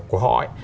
của họ ấy